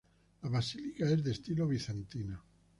La Basílica es de estilo bizantino.